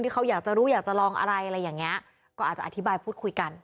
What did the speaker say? เขาอยากจะรู้อยากจะลองอะไรอะไรอย่างเงี้ยก็อาจจะอธิบายพูดคุยกัน